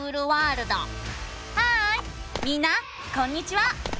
ハーイみんなこんにちは！